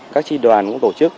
các tri đoàn cũng tổ chức